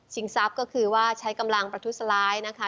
ทรัพย์ก็คือว่าใช้กำลังประทุษร้ายนะคะ